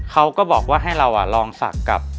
เขาก็บอกว่าให้เราลองศักดิ์กับ